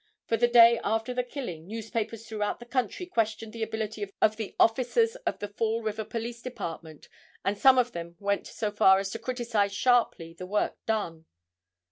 From the day after the killing, newspapers throughout the country questioned the ability of the officers of the Fall River police department and some of them went so far as to criticise sharply the work done.